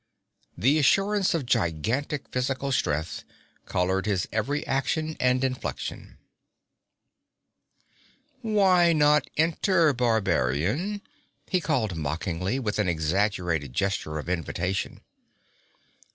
The assurance of gigantic physical strength colored his every action and inflection. 'Why not enter, barbarian?' he called mockingly, with an exaggerated gesture of invitation.